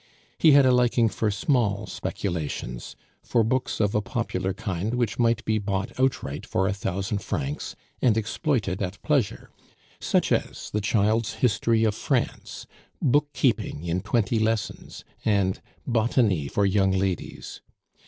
He had a liking for small speculations, for books of a popular kind which might be bought outright for a thousand francs and exploited at pleasure, such as the Child's History of France, Book keeping in Twenty Lessons, and Botany for Young Ladies.